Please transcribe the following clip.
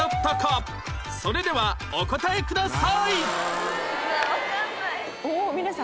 それではお答えくださいわかんない。